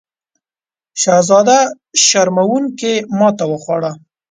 شهزاده شرموونکې ماته وخوړه.